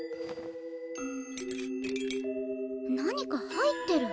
何か入ってる。